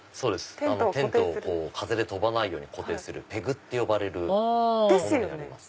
テントを風で飛ばないように固定するペグって呼ばれるものになります。